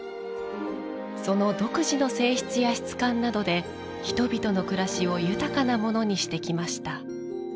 その独自の性質や質感などで人々の暮らしを豊かなものにしてきました。